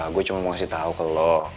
gue cuma mau kasih tau ke lo